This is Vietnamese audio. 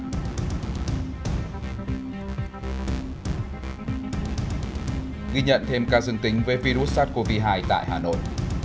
ghi nhận thêm ca dương tính với virus sars cov hai tại hà nội